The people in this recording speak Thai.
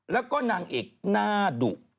แล้วก็นางเอกหน้าดุ